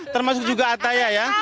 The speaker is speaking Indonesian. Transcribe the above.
termasuk juga ataya ya